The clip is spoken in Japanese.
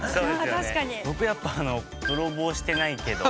僕やっぱ「泥棒してないけど」。